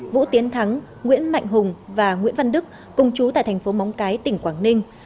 vũ tiến thắng nguyễn mạnh hùng và nguyễn văn đức cùng chú tại thành phố móng cái tỉnh quảng ninh